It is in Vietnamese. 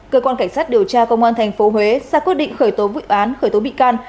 cơ quan cảnh sát điều tra công an tp huế ra quyết định khởi tố vụ án khởi tố bị can